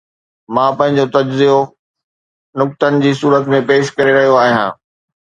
مان پنهنجو تجزيو نقطن جي صورت ۾ پيش ڪري رهيو آهيان.